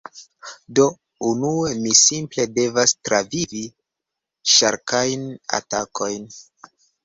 Do, unue mi simple devas travivi ŝarkajn atakojn.